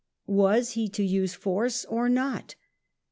Was he to use force or not?